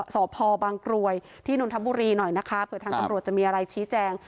สพบางกรวยที่นนทบุรีหน่อยนะคะเผื่อทางตำรวจจะมีอะไรชี้แจง